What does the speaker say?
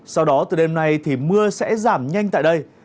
sau đó từ đêm nay thì mưa sẽ giảm nhanh tại đây